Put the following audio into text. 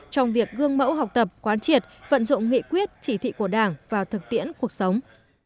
trong việc gương mẫu học tập quán triệt vận dụng nghị quyết chỉ thị của đảng vào thực tiễn cuộc sống